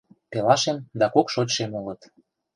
Пелашем да кок шочшем улыт.